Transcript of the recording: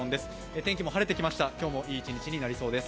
天気も晴れてきました、今日もいい一日になりそうです。